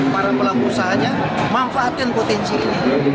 para pelaku usahanya manfaatkan potensi ini